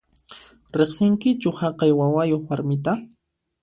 Riqsinkichu haqay wawayuq warmita?